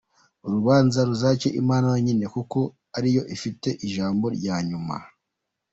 Urubanza ruzace Imana yonyine kuko ariyo ifite ijambo rya nyuma!